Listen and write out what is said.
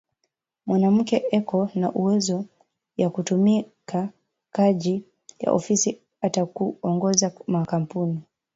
Mwanamuke eko na uwezo ya tumika kaji ya ofisi ata ku ongoza ma kampuni